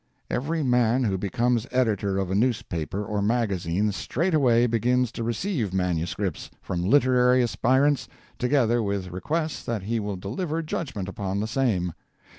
Every man who becomes editor of a newspaper or magazine straightway begins to receive MSS. from literary aspirants, together with requests that he will deliver judgment upon the same.